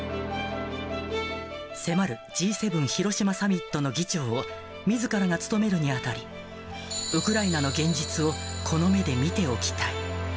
迫るＧ７広島サミットの議長をみずからが務めるにあたり、ウクライナの現実をこの目で見ておきたい。